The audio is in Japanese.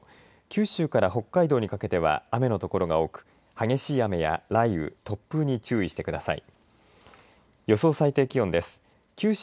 九州から北海道にかけては雨の所が多く激しい雨や雷雨、突風に注意してください。